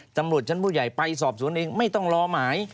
ตำรวจชั้นผู้ใหญ่ไปสอบสวนเองไม่ต้องรอหมาย